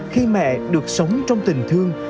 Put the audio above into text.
khi mẹ được sống trong tình thương